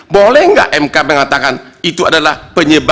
boleh enggak mk mengatakan itu adalah penyelidikan